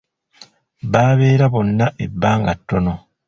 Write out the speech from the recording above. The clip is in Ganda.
Baabeera bonna ebbanga ttono.